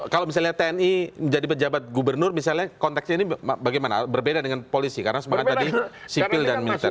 kalau misalnya tni menjadi pejabat gubernur misalnya konteksnya ini bagaimana berbeda dengan polisi karena semangat tadi sipil dan militer